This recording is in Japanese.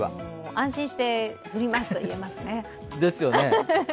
安心して降りますと言えますね。